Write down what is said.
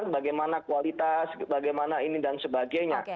bagaimana kualitas bagaimana ini dan sebagainya